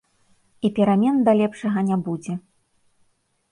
І перамен да лепшага не будзе.